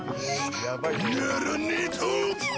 ならねえと。